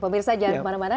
pemirsa jangan kemana mana